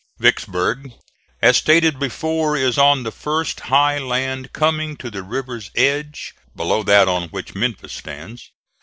Vicksburg, as stated before, is on the first high land coming to the river's edge, below that on which Memphis stands.